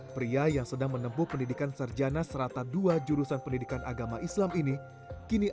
pria yang sedang menempuh pendidikan serjana serata dua jurusan pendidikan agama islam ini kini